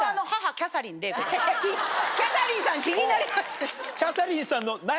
キャサリンさん気になります！